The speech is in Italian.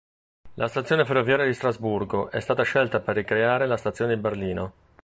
La stazione ferroviaria di Strasburgo è stata scelta per ricreare la stazione di Berlino.